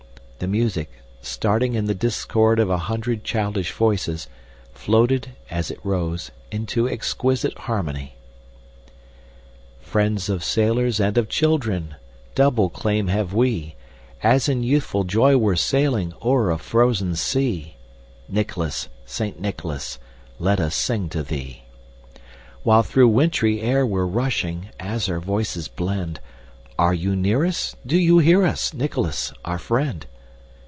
The music, starting in the discord of a hundred childish voices, floated, as it rose, into exquisite harmony: "Friend of sailors and of children! Double claim have we, As in youthful joy we're sailing, O'er a frozen sea! Nicholas! Saint Nicholas! Let us sing to thee! While through wintry air we're rushing, As our voices blend, Are you near us? Do you hear us, Nicholas, our friend?